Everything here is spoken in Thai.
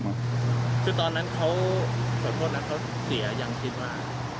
คือตอนนั้นเขาเขาเสียอย่างคิดว่า